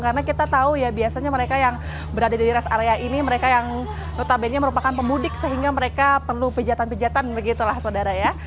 karena kita tahu ya biasanya mereka yang berada di rest area ini mereka yang notabene merupakan pemudik sehingga mereka perlu pejatan pijatan begitulah saudara ya